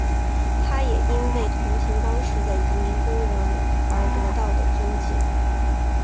他也因为同情当时的移民工人而得到的尊敬。